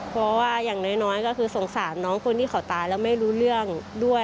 เพราะว่าอย่างน้อยก็คือสงสารน้องคนที่เขาตายแล้วไม่รู้เรื่องด้วย